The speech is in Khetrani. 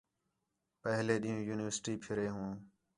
پہلے ݙِین٘ہوں یونیورسٹی پِھرے ہوں